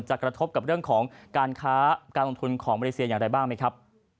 กระทบกับเรื่องของการค้าการลงทุนของมาเลเซียอย่างไรบ้างไหมครับ